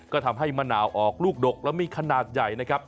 ก็ทำให้มะนาวออกลูกดกแล้วมีขนาดใหญ่นะครับ